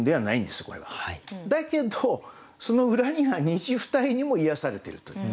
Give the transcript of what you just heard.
だけどその裏には虹二重にも癒やされてるという。